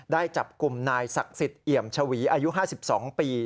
ได้จับกลุ่มนายศักดิ์สิทธิ์เอี่ยมชวีอายุ๕๒ปี